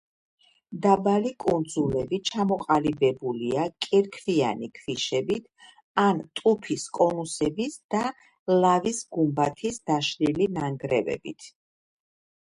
დაბალი კუნძულები ჩამოყალიბებულია კირქვიანი ქვიშებით ან ტუფის კონუსების და ლავის გუმბათის დაშლილი ნანგრევებით.